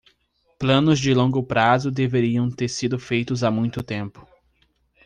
Planos de longo prazo deveriam ter sido feitos há muito tempo